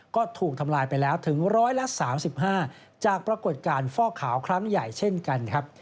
ก็ถูกทำลายไปแล้วถึงร้อยละ๓๕จากปรากฏการณ์ฟอกขาวครั้งใหญ่เช่นกันครับ